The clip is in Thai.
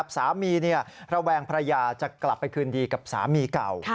สามีระแวงภรรยาจะกลับไปคืนดีกับสามีเก่า